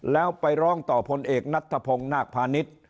แล้วไปรองต่อพลเอกนัตถพงฆ์นาคพานิตร